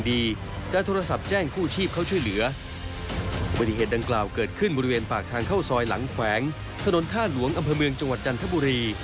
อุบัติเหตุดังกล่าวเกิดขึ้นบริเวณปากทางเข้าซอยหลังแขวงถนนท่าหลวงอำเภอเมืองจังหวัดจันทบุรี